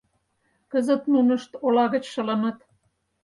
Кызыт нунышт ола гыч шылыныт.